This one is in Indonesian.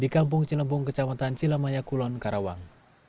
memung celembung ke cawatan cilemaya kulon karawang